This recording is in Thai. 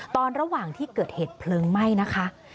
ตอนระหว่างที่เกิดเหตุเพลิงไหม้นะคะ